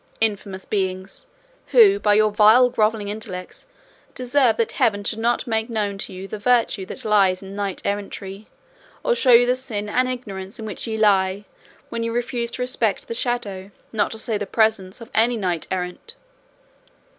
Infamous beings, who by your vile grovelling intellects deserve that heaven should not make known to you the virtue that lies in knight errantry, or show you the sin and ignorance in which ye lie when ye refuse to respect the shadow, not to say the presence, of any knight errant!